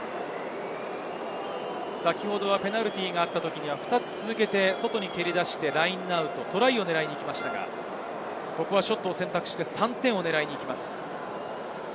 先ほどはペナルティーがあったときには２つ続けて、外に蹴り出してラインアウト、トライを狙いに行きましたが、ここはショットを選択して３点を狙いにいきます。